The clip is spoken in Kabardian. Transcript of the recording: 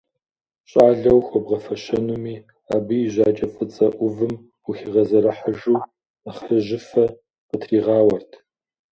ЩӀалэу хуэбгъэфэщэнуми, абы и жьакӀэ фӀыцӀэ Ӏувым, ухигъэзэрыхьыжу, нэхъыжьыфэ къытригъауэрт.